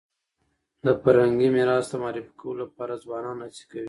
د فرهنګي میراث د معرفي کولو لپاره ځوانان هڅي کوي